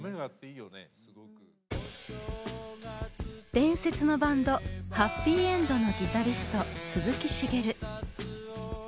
伝説のバンド「はっぴいえんど」のギタリスト鈴木茂。